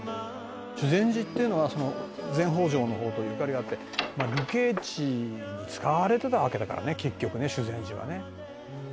「修善寺っていうのは前北条の方とゆかりがあって流刑地に使われてたわけだからね結局ね修善寺はね」